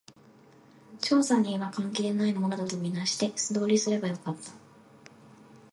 調査には関係ないものだと見なして、素通りすればよかった